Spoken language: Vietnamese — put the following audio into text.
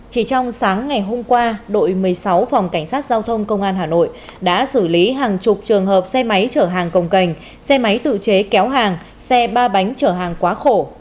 chỉ trong sáng ngày hôm qua đội một mươi sáu phòng cảnh sát giao thông công an hà nội đã xử lý hàng chục trường hợp xe máy chở hàng công cành xe máy tự chế kéo hàng xe ba bánh chở hàng quá khổ